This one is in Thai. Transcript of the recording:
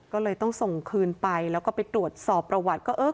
ก็เลยต้องส่งคืนไปแล้วก็ไปตรวจสอบประวัติก็เออ